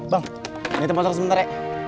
bang nanti tempatnya aku sementara ya